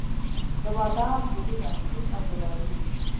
د بادام ګلونه سپین او ګلابي وي